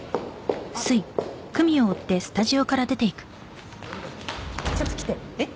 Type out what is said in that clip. あっちょっと来てえっ？